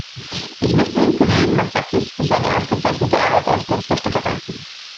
Ich möchte dem Kollegen Matsakis für seine ausgezeichnete Arbeit als Berichterstatter danken.